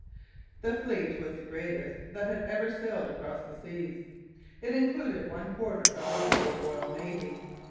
The fleet was the greatest that had ever sailed across the seas. It included one quarter of the whole Royal Navy.